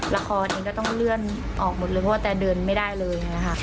ละครเองก็ต้องเลื่อนออกหมดเลยเพราะว่าแตเดินไม่ได้เลย